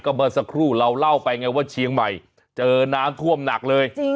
เมื่อสักครู่เราเล่าไปไงว่าเชียงใหม่เจอน้ำท่วมหนักเลย